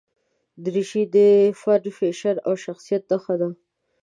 دریشي د فن، فیشن او شخصیت نښه ده.